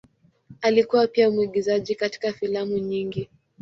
Alikuwa pia mwigizaji katika filamu nyingi.